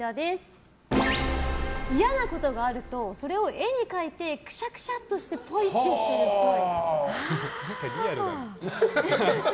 嫌なことがあるとそれを絵に描いてクシャクシャッとしてポイッとしてるっぽい。